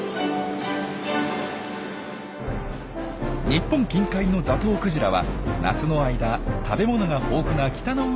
日本近海のザトウクジラは夏の間食べ物が豊富な北の海で過ごします。